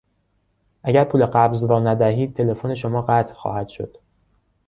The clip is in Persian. اگر پول قبض را ندهید تلفن شما قطع خواهد شد.